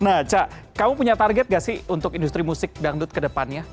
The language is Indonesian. nah cak kamu punya target gak sih untuk industri musik dangdut ke depannya